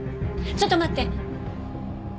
ちょっと待って！